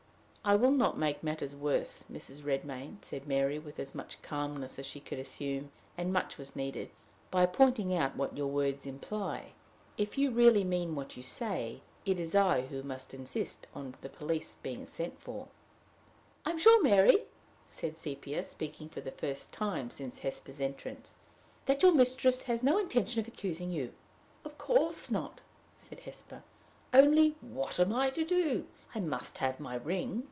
"I will not make matters worse, Mrs. Redmain," said Mary, with as much calmness as she could assume, and much was needed, "by pointing out what your words imply. If you really mean what you say, it is I who must insist on the police being sent for." "I am sure, Mary," said Sepia, speaking for the first time since Hesper's entrance, "that your mistress has no intention of accusing you." "Of course not," said Hesper; "only, what am I to do? I must have my ring.